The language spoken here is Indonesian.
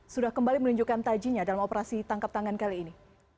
sudah kembali menunjukkan tajinya dalam operasi tangkap tangan kali ini